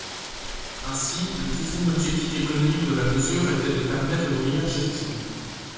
Ainsi, le deuxième objectif économique de la mesure était de permettre une meilleure gestion.